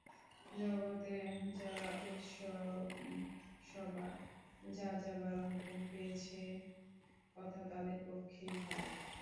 জগতে যারা উৎসবসভা সাজাবার হুকুম পেয়েছে কথা তাদের পক্ষেই ভালো।